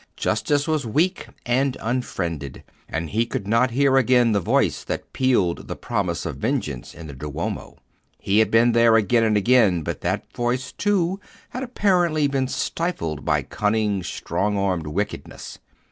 Justice was weak and unfriended; and he could not hear again the voice that pealed the promise of vengeance in the Duomo; he had been there again and again, but that voice, too, had apparently been stifled by cunning strong armed wickedness.